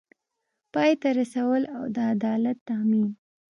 پای ته رسول او د عدالت تامین